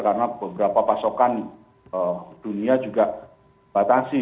karena beberapa pasokan dunia juga batasi